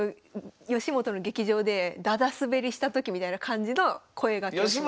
吉本の劇場でダダ滑りしたときみたいな感じの声がけをします。